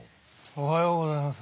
おはようございます。